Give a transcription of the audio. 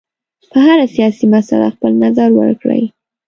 په هره سیاسي مسله خپل نظر ورکړي.